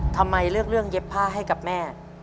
ทำไมเลือกเรื่องเย็บผ้าให้กับแม่